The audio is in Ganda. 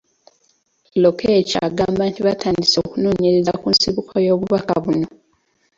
Lokech agamba nti batandise okunoonyereza ku nsibuko y'obubaka buno.